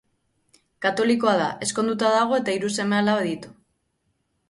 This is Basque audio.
Katolikoa da, ezkonduta dago eta hiru seme-alaba ditu.